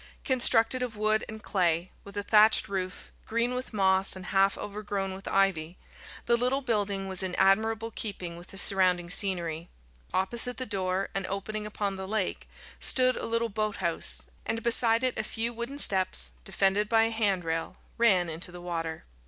Constructed of wood and clay, with a thatched roof, green with moss, and half overgrown with ivy, the little building was in admirable keeping with the surrounding scenery. Opposite the door, and opening upon the lake, stood a little boathouse, and beside it a few wooden steps, defended by a handrail, ran into the water.